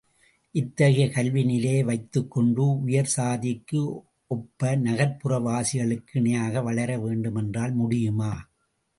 இத்தகைய கல்வி நிலையை வைத்துக் கொண்டு உயர்சாதிக்கு ஒப்ப நகர்ப்புறவாசிகளுக்கு இணையாக வளர வேண்டுமென்றால் முடியுமா?